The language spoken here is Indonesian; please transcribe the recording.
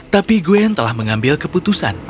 tapi gwen telah mengambil keputusan